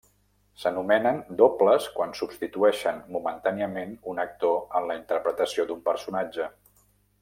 S'anomenen dobles quan substitueixen momentàniament un actor en la interpretació d'un personatge.